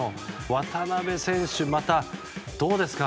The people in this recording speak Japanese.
渡邊選手、またどうですか。